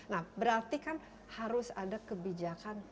nah berarti kan harus ada kebijakan